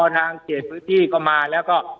ทางเกียรติธิก็มาแล้วก็